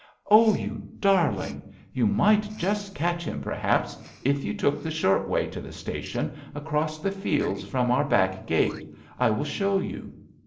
Oh, you darling ! You might just catch him, perhaps, if you took the short way to the station, across the fields from our back gate. I will show you."